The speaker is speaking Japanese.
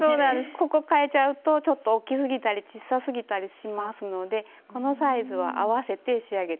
ここ変えちゃうとちょっと大きすぎたり小さすぎたりしますのでこのサイズは合わせて仕上げて下さい。